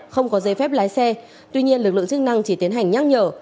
không có giấy phép lái xe tuy nhiên lực lượng chức năng chỉ tiến hành nhắc nhở